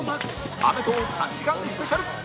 『アメトーーク』３時間スペシャル